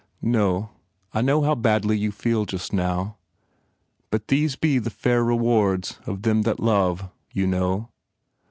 No, I know how badly you feel, just now/ But these be the fair rewards of them that love, you know?